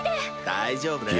大丈夫だよ。